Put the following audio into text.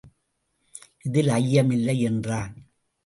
இதில் ஐயமில்லை! என்றான்.